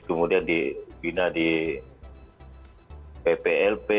kemudian dibina di pplp